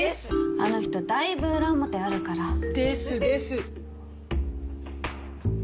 あの人だいぶ裏表あるからですです！